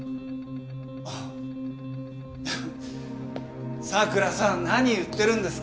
ハハ佐倉さん何言ってるんですか。